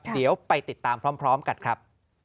เดี๋ยวไปติดตามพร้อมกันครับ